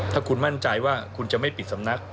ถ้าคุณมั่นใจว่าคุณจะไม่ปิดสำนัก